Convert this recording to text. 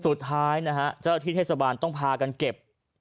สุดท้ายนะฮะเจ้าที่เทศบาลต้องพากันเก็บ